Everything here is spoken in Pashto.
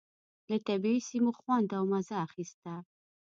له طبعي سیمو خوند او مزه اخيسته.